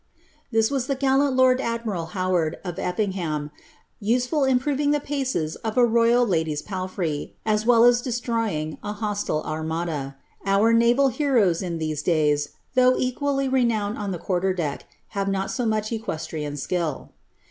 Thus was the gallant loni id miral Howard, of EITiiigham, useful in proving the paces of a rovil lady's palfrey, as well as destroying an hostile Armada. Our n»vil heroes in tliese days, though equally renowned on tlie quarter deck, have not so much equestrian skill.